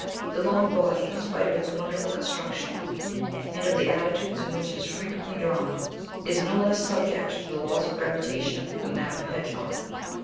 The long body, in spite of its wonderful construction, and of the attitudes in which it is frequently drawn, is no less subject to the laws of gravitation than that of a hedgehog.